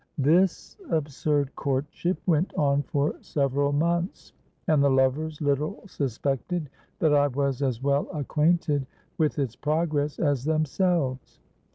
"This absurd courtship went on for several months; and the lovers little suspected that I was as well acquainted with its progress as themselves.